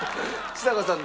ちさ子さん